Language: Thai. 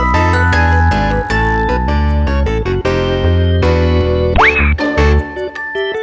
ต้องรอ